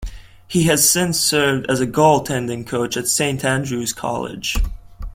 He has since served as a goaltending coach at Saint Andrew's College.